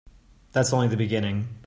That's only the beginning.